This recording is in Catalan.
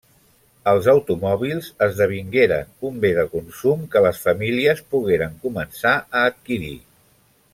Els automòbils esdevingueren un bé de consum que les famílies pogueren començar a adquirir.